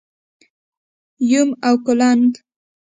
🪏 یوم او کولنګ⛏️